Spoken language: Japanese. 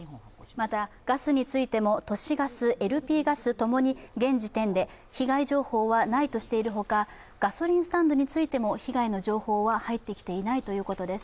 またガスについても都市ガス、ＬＰガスともに現時点で被害情報はないとしているほかガソリンスタンドについても被害の情報は入ってきていないということです。